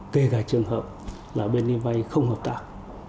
về cả trường hợp là bên đi vay không hợp tạc